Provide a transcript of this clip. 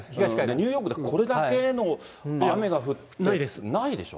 ニューヨークでこれだけの雨が降って、ないでしょ。